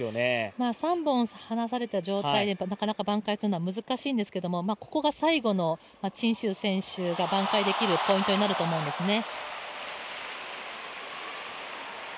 ３本離された状態で、なかなか挽回するのは難しいんですけどここが最後の陳思羽選手が挽回できるポイントになると思うんですね。